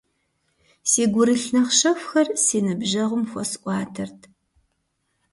Си гурылъ нэхъ щэхухэр си ныбжьэгъум хуэсӏуатэрт.